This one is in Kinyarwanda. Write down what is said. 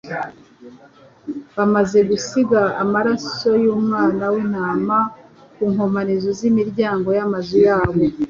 Bamaze gusiga amaraso y'umwana w'intama ku nkomanizo z'imiryango y'amazu yabo,